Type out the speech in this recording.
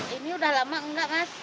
ini udah lama enggak mas